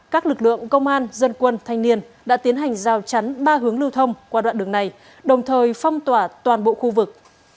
các lực lượng công an dân quân thanh niên đã tiến hành rào chắn ba hướng lưu thông qua đoạn đường này đồng thời phong tỏa toàn bộ khu vực